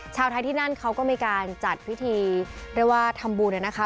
ชาวไทยที่นั่นเขาก็มีการจัดพิธีเรียกว่าทำบุญนะคะ